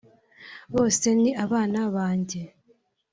Bose ni abana banjye